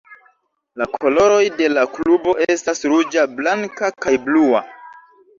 La koloroj de la klubo estas ruĝa, blanka, kaj blua.